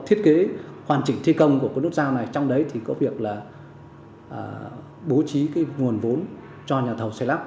thiết kế hoàn chỉnh thi công của cái nút giao này trong đấy thì có việc là bố trí cái nguồn vốn cho nhà thầu xây lắp